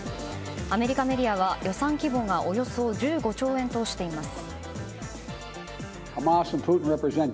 アメリカメディアは予算規模がおよそ１５兆円としています。